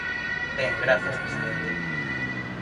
Ben, grazas presidente.